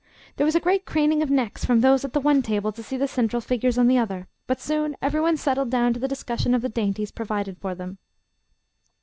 There was a great craning of necks from those at the one table to see the central figures on the other, but soon every one settled down to the discussion of the dainties provided for them.